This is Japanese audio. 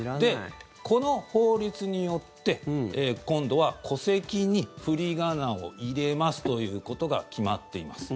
この法律によって、今度は戸籍に振り仮名を入れますということが決まっています。